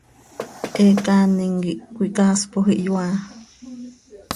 He caanim quih cöicaaspoj ihyoaa.